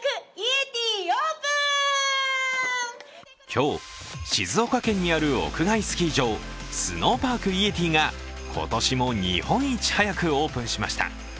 今日、静岡県にある屋外スキー場スノーパークイエティが今年も日本一早くオープンしました。